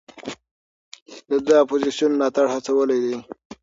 ده د اپوزېسیون ملاتړ هڅولی دی.